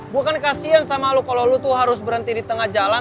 gue kan kasian sama lo kalau lo tuh harus berhenti di tengah jalan